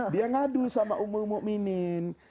dia ngadu sama ummul mu'minin